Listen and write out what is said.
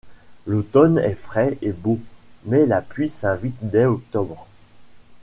L'automne est frais et beau, mais la pluie s'invite dès octobre.